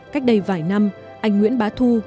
cách đây vài năm anh nguyễn bá thu